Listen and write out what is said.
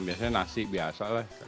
biasanya nasi biasa lah